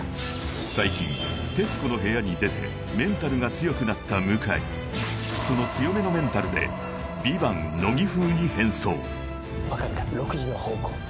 最近「徹子の部屋」に出てメンタルが強くなった向井その強めのメンタルで「ＶＩＶＡＮＴ」乃木風に変装６時？